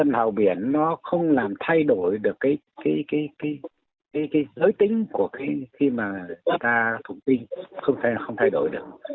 nếu không có thuốc tinh không thể thay đổi được